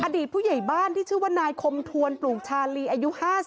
อดีตผู้ใหญ่บ้านที่ชื่อว่านายคมทวนปลูกชาลีอายุ๕๐